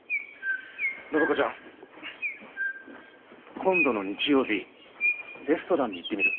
暢子ちゃん今度の日曜日レストランに行ってみる？